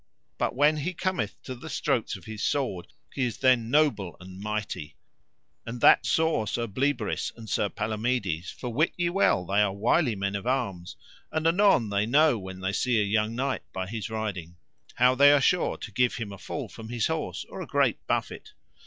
But when he cometh to the strokes of his sword he is then noble and mighty, and that saw Sir Bleoberis and Sir Palomides, for wit ye well they are wily men of arms, and anon they know when they see a young knight by his riding, how they are sure to give him a fall from his horse or a great buffet.